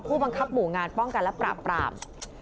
ผู้บังคับหมู่งานป้องกันและปราบ